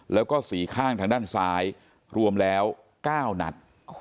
แล้วก็สีข้างทางด้านซ้ายรวมแล้ว๙นัด